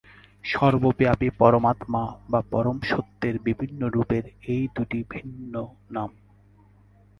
সর্বব্যাপী পরমাত্মা বা পরম সত্যের বিভিন্ন রূপের এই দুটি ভিন্ন নাম।